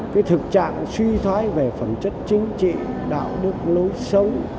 cái thực trạng suy thoái về phẩm chất chính trị đạo đức lối sống